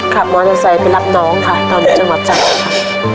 ขับมอเตอร์ไซค์ไปรับน้องค่ะตอนจังหวัดเจ้าค่ะ